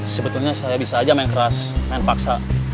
sebetulnya saya bisa aja main keras main paksa